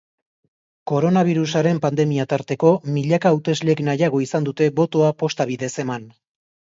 Koronabirusaren pandemia tarteko, milaka hauteslek nahiago izan dute botoa posta bidez eman.